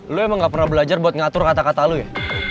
lu emang gak pernah belajar buat ngatur kata kata lo ya